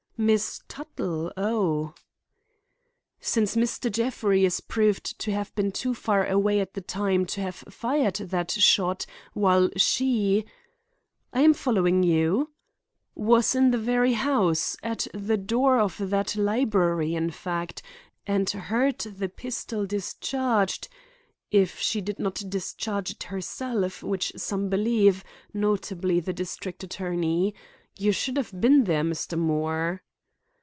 "Miss Tuttle? Ah!" "Since Mr. Jeffrey is proved to have been too far away at the time to have fired that shot, while she—" "I am following you—" "Was in the very house—at the door of the library in fact—and heard the pistol discharged, if she did not discharge it herself—which some believe, notably the district attorney. You should have been there, Mr. Moore."